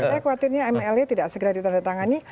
saya khawatirnya mla tidak segera ditandatangani